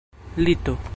lito